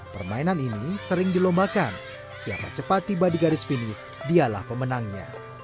permainan ini sering dilombakan siapa cepat tiba di garis finish dialah pemenangnya